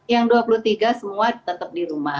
yang dua puluh tiga semua tetap di rumah